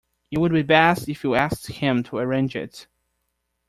It would be best if you asked him to arrange it.